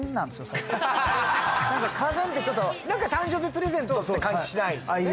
最近何か家電ってちょっと誕生日プレゼントって感じしないですね